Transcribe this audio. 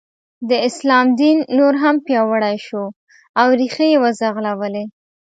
د اسلام دین نور هم پیاوړی شو او ریښې یې وځغلولې.